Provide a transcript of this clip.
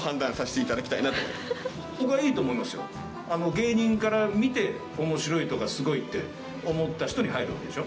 芸人から見て面白いとかすごいって思った人に入るわけでしょ。